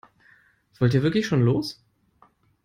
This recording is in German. Wollt ihr wirklich schon los?